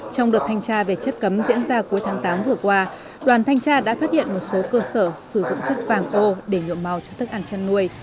trong đợt thanh tra về chất cấm diễn ra cuối tháng tám vừa qua đoàn thanh tra đã phát hiện một số cơ sở sử dụng chất vàng ô để nhuộm màu cho thức ăn chăn nuôi